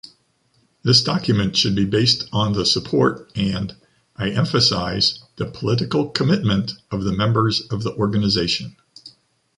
This document should be based on the support and, I emphasize, the political commitment of the members of the Organization.